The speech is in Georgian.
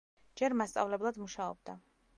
ჯერ მასწავლებლად მუშაობდა.